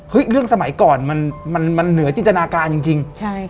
เห้ยเรื่องสมัยก่อนมันเหนือจินตนาการจริงใช่ค่ะ